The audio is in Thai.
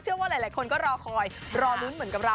ว่าหลายคนก็รอคอยรอลุ้นเหมือนกับเรา